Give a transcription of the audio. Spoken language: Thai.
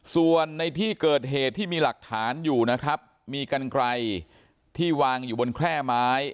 ส่วนในที่เกิดเหตุที่มีหลักฐานอยู่นะครับมีกันไกลที่วางอยู่บนแคร่ไม้